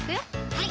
はい